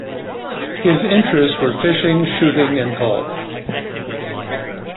His interests were fishing, shooting and golf.